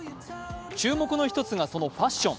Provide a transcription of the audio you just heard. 注目の１つがそのファッション。